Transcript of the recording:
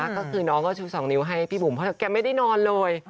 ก็คือน้องก็ชู๒นิ้วให้พี่บุ๋มเพราะแกไม่ได้นอนเลย